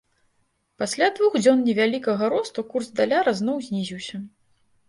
Пасля двух дзён невялікага росту курс даляра зноў знізіўся.